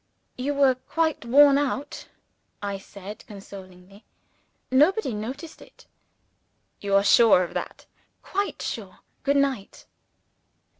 "You were quite worn out," I said, consolingly. "Nobody noticed it." "You are sure of that?" "Quite sure. Good night."